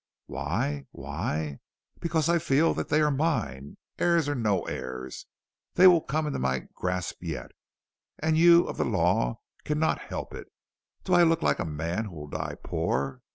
"Why? why? Because I feel that they are mine. Heirs or no heirs, they will come into my grasp yet, and you of the law cannot help it. Do I look like a man who will die poor?